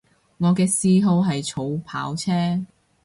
我嘅嗜好係儲跑車